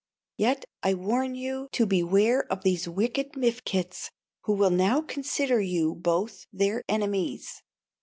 Yet I warn you to beware these wicked Mifkets, who will now consider you both their enemies."